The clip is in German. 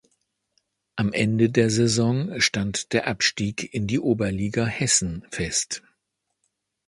Am Ende der Saison stand der Abstieg in die Oberliga Hessen fest.